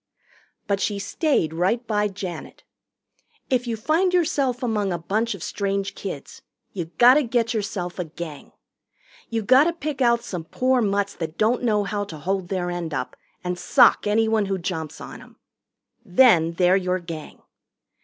But she stayed right by Janet. If you find yourself among a bunch of strange kids, you gotta get yourself a Gang. You gotta pick out some poor mutts that don't know how to hold their end up and sock anyone who jumps on 'em. Then they're your Gang.